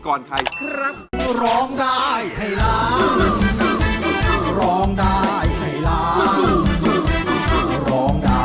โอ้โอ้โอ้โอ้